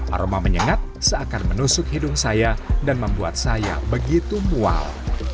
aroma menyengat seakan menusuk hidung saya dan membuat saya begitu mual